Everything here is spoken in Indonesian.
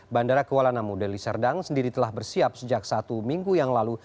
bandara kuala namu deli serdang sendiri telah bersiap sejak satu minggu yang lalu